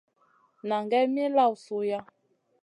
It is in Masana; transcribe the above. Nan gai min lawn suiʼa.